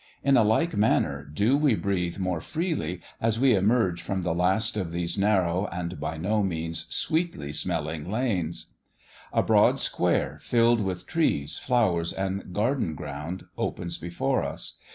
In a like manner, do we breathe more freely as we emerge from the last of these narrow, and by no means sweetly smelling lanes. A broad square, filled with trees, flowers, and garden ground, opens before us.